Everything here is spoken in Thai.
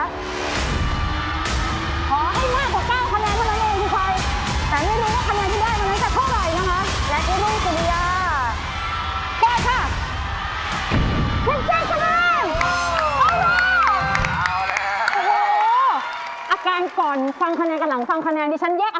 ขอให้มากกว่า๙คะแนนให้เฉยดิค่ะ